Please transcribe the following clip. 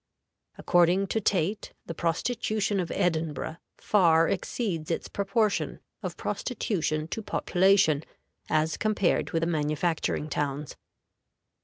According to Tait, the prostitution of Edinburgh far exceeds its proportion of prostitution to population as compared with the manufacturing towns.